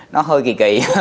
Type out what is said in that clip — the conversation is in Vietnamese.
nó hơi kỳ kỳ